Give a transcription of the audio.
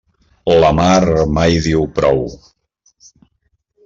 La mar mai diu prou.